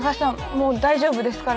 もう大丈夫ですから。